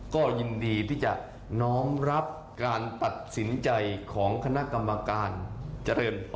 ก็ยินดีที่จะน้อมรับการตัดสินใจของคณะกรรมการเจริญ